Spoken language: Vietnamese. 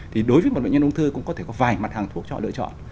thì đối với một bệnh nhân ung thư cũng có thể có vài mặt hàng thuốc chọn lựa chọn